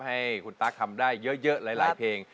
ให้คุณตั๊กทำได้เยอะหลายเพลง